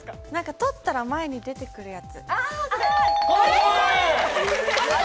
取ったら前に出てくるやつ。